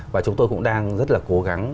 và chúng tôi cũng đang rất là cố gắng